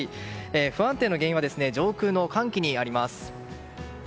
不安定の原因は上空の寒気にあります。